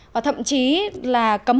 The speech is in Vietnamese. và thậm chí là cấm